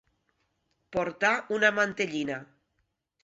Portar una mantellina.